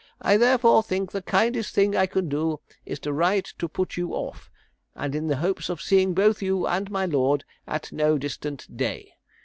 I therefore think the kindest thing I can do is to write to put you off; and, in the hopes of seeing both you and my lord at no distant day.